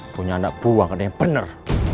punya anak buah kadang yang bener